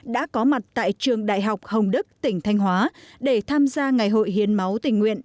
đã có mặt tại trường đại học hồng đức tỉnh thanh hóa để tham gia ngày hội hiến máu tình nguyện